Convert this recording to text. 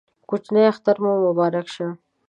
کوچینۍ اختر مو مبارک شه